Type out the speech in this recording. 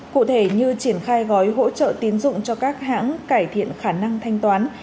cụ thể như triển khai gói hỗ trợ tiến dụng cho các hãng cải thiện khả năng thanh toán